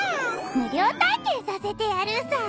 無料体験させてやるさ。